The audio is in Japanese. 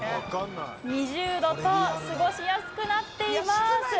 ２０℃と過ごしやすくなっています。